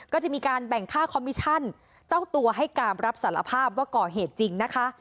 ก็จะมีการแบ่งค่าคอมมิชชั่นเจ้าตัวให้การรับสารภาพว่าก่อเหตุจริงนะคะ